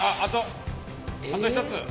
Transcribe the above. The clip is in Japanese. あと一つ！